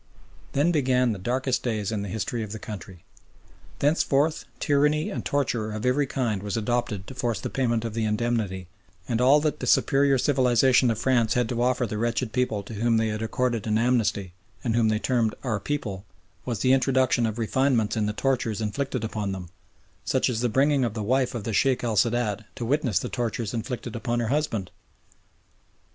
Then began the darkest days in the history of the country. Thenceforth tyranny and torture of every kind was adopted to force the payment of the indemnity, and all that the superior civilisation of France had to offer the wretched people to whom they had accorded an "amnesty," and whom they termed "our people," was the introduction of refinements in the tortures inflicted upon them, such as the bringing of the wife of the Sheikh el Sadat to witness the tortures inflicted upon her husband.